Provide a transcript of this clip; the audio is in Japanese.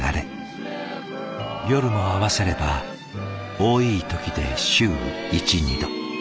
夜も合わせれば多い時で週１２度。